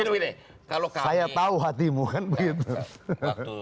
saya tahu hatimu kan begitu